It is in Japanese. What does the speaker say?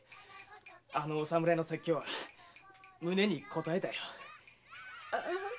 あのお侍の説教は胸にこたえたよ。